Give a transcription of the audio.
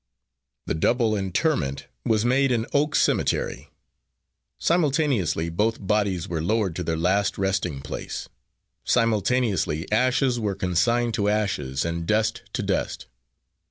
The double interment was made in Oak Cemetery. Simultaneously both bodies were lowered to their last resting place. Simultaneously ashes were consigned to ashes and dust to dust.